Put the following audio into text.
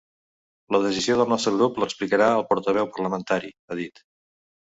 La decisió del nostre grup l’explicarà el portaveu parlamentari, ha dit.